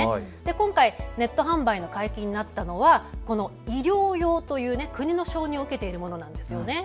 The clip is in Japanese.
今回、ネット販売が解禁になったのはこの医療用という国の承認を受けているものなんです。